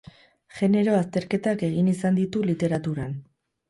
Genero azterketak egin izan ditu literaturan.